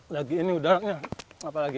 lagi ini udangnya apalagi